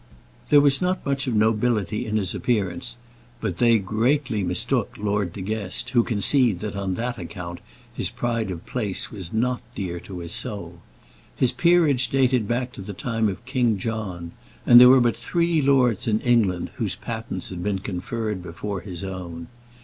There was not much of nobility in his appearance; but they greatly mistook Lord De Guest who conceived that on that account his pride of place was not dear to his soul. His peerage dated back to the time of King John, and there were but three lords in England whose patents had been conferred before his own.